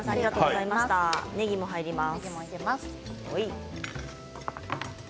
ねぎも入ります。